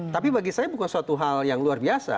tapi bagi saya bukan suatu hal yang luar biasa